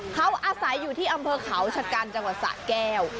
เขาอาศัยอยู่ที่อำเภอเขาชะกันจังหวัดสะแก้ว